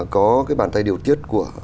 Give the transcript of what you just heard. có cái bàn tay điều tiết của